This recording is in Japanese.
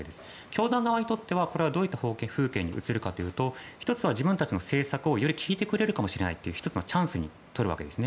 教団側にとっては、これがどういった風景に映るかというと１つは自分たちの政策をより聞いてくれるかもしれないという１つのチャンスにとるわけです。